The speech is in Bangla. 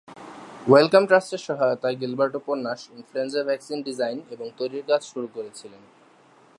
ওয়েলকাম ট্রাস্টের সহায়তায় গিলবার্ট উপন্যাস ইনফ্লুয়েঞ্জা ভ্যাকসিন ডিজাইন এবং তৈরির কাজ শুরু করেছিলেন।